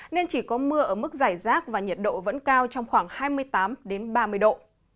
nên chỉ có mưa ở mức giải rác và nhiệt độ vẫn cao trong khoảng hai mươi tám ba mươi độ